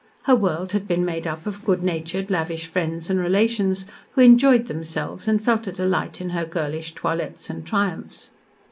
Her world had been made up of good natured, lavish friends and relations, who enjoyed themselves and felt a delight in her girlish toilettes and triumphs.